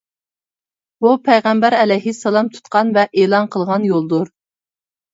بۇ پەيغەمبەر ئەلەيھىسسالام تۇتقان ۋە ئېلان قىلغان يولدۇر.